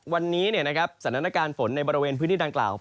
วันนี้สถานการณ์ฝนในบริเวณพื้นที่ดังกล่าว